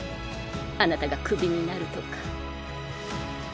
あなたがクビになるとか。